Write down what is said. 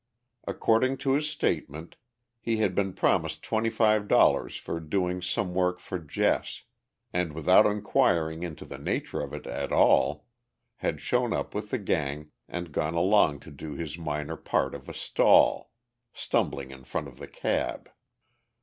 According to his statement, he had been promised $25 for doing some work for Jess, and without inquiring into the nature of it at all, had shown up with the gang and gone along to do his minor part of a "stall," stumbling in front of the cab.